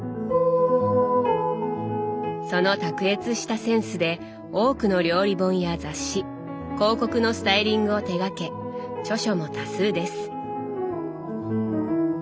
その卓越したセンスで多くの料理本や雑誌広告のスタイリングを手がけ著書も多数です。